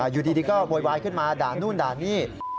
อยู่ดีก็โวยวายขึ้นมาด่านู่นด่านี่